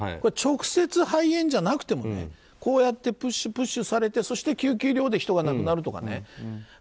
直接肺炎じゃなくてもこうやってプッシュされてそして救急医療で人が亡くなるとかね。